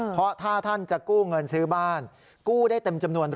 เพราะถ้าท่านจะกู้เงินซื้อบ้านกู้ได้เต็มจำนวน